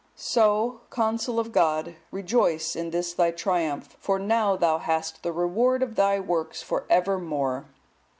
So, Consul of God, rejoice in this thy triumph, for now thou hast the reward of thy works for evermore.